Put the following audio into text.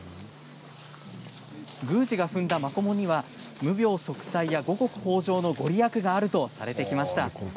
宮司が踏んだマコモには無病息災や五穀豊じょうの御利益があるとされてきました。